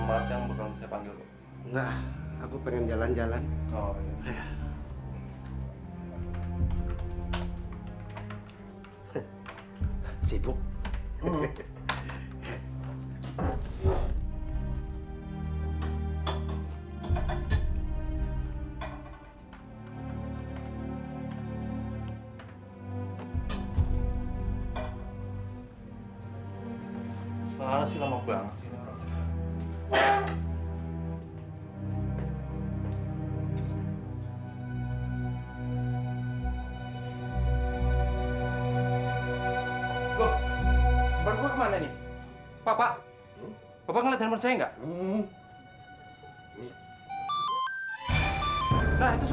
ayo ikut ke ruangan bos dulu